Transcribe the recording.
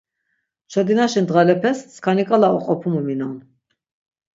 Çodinaşi dğalepes skani k̆ala oqopumu minon.